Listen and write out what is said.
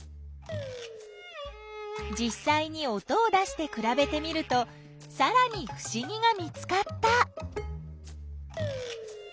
じっさいに音を出してくらべてみるとさらにふしぎが見つかった！